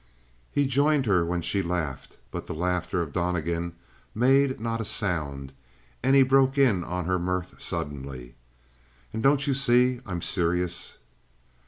He joined her when she laughed, but the laughter of Donnegan made not a sound, and he broke in on her mirth suddenly. "Ah, don't you see I'm serious?"